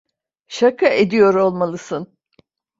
Şaka ediyor olmalısın.